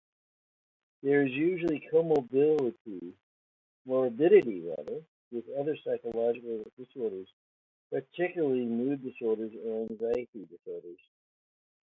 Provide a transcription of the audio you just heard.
There is usually co-morbidity with other psychological disorders, particularly mood disorders or anxiety disorders.